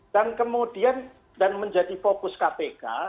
dan kemudian dan menjadi fokus kpk